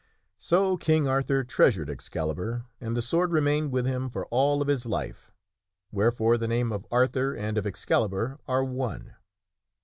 So King Arthur treasured Excalibur and the sword remained with him for all of his life, wherefore the name of Arthur and of Excalibur are one.